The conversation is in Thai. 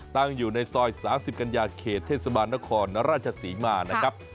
ตั้งอยู่ในซอย๓๐กัญญาเขตเทศบาลนครราชศรีมานะครับ